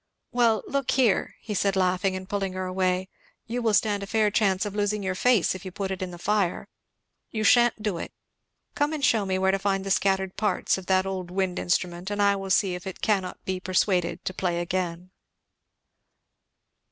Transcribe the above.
"Well, look here," said he laughing and pulling her away, "you will stand a fair chance of losing your face if you put it in the fire. You sha'n't do it. Come and shew me where to find the scattered parts of that old wind instrument and I will see if it cannot be persuaded to play again."